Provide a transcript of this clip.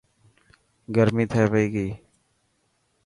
گرمي ٿي پئي ڪي.